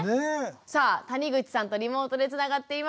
さあ谷口さんとリモートでつながっています。